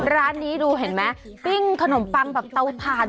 ร้านนี้ดูเห็นไหมปิ้งขนมปังแบบเตาผ่าน